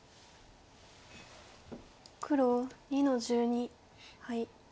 黒２の十二ハイ。